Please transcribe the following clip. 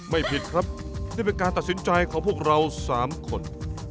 ไม่ผิดครับนี่เป็นการตัดสินใจของพวกเราสามคน